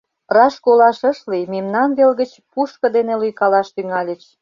Раш колаш ыш лий: мемнан вел гыч пушка дене лӱйкалаш тӱҥальыч.